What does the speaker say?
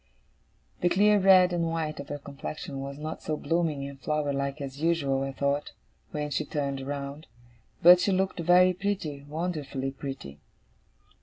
The clear red and white of her complexion was not so blooming and flower like as usual, I thought, when she turned round; but she looked very pretty, Wonderfully pretty.